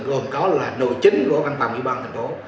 gồm đó là nội chính của văn phòng ủy ban thành phố